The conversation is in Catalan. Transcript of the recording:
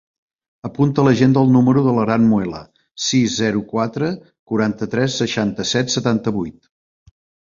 Apunta a l'agenda el número de l'Aran Muela: sis, zero, quatre, quaranta-tres, seixanta-set, setanta-vuit.